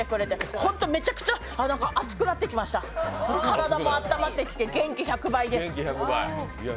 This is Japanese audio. ホントめちゃくちゃ熱くなってきました、体もあったまってきて元気１００倍です。